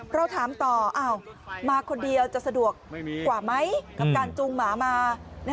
เราถามต่อมาคนเดียวจะสะดวกกว่าไหมกับการจูงหมามา